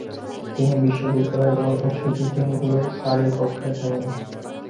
তিনি বিশ্ববিদ্যালয় দল ও ছুটির দিনগুলোয় সারের পক্ষে খেলেন।